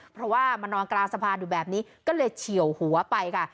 เพราะว่ามานอนกลางสะพานอยู่แบบนี้ก็เลยเฉียวหัวไปค่ะ